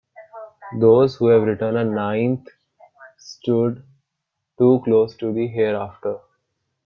Those who have written a Ninth stood too close to the hereafter.